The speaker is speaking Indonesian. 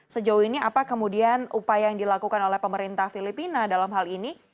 sejauh ini apa kemudian upaya yang dilakukan oleh pemerintah filipina dalam hal ini